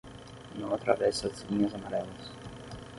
Não atravesse as linhas amarelas.